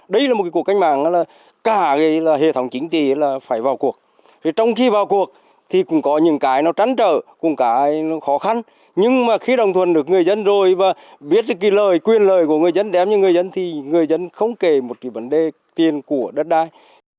đây là một cuộc cách mạng là cả hệ thống chính trị phải vào cuộc trong khi vào cuộc thì cũng có những cái nó tránh trở cũng có những cái nó khó khăn nhưng mà khi đồng thuận được người dân rồi và biết cái lời quyền lời của người dân đếm như người dân thì người dân không kể một cái vấn đề tiền của đất đai